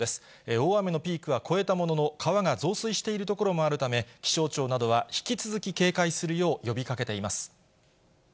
大雨のピークは越えたものの、川が増水している所もあるため、気象庁などは引き続き警戒するよう呼びかけています。